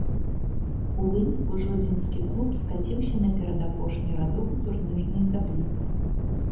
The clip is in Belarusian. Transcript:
У выніку жодзінскі клуб скаціўся на перадапошні радок у турнірнай табліцы.